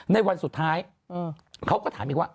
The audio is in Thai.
ในวันสุดท้ายเขาก็ถามอีกว่า